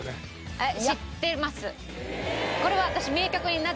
はい。